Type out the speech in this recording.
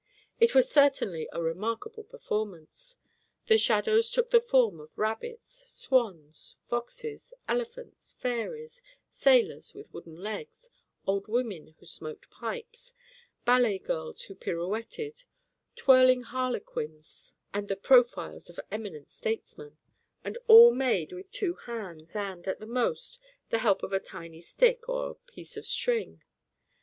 It was certainly a remarkable performance. The shadows took the form of rabbits, swans, foxes, elephants, fairies, sailors with wooden legs, old women who smoked pipes, ballet girls who pirouetted, twirling harlequins and the profiles of eminent statesmen and all made with two hands and, at the most, the help of a tiny stick or piece of string.